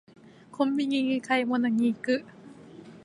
コンビニに買い物に行く